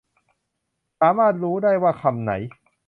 สามารถรู้ได้ว่าคำไหน